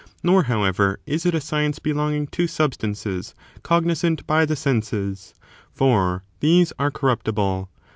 Nor, however, is it a science belonging to substances cognisant by the senses, for these are corruptible.